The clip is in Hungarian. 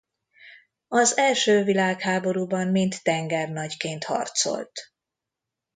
Az első világháborúban mint tengernagyként harcolt.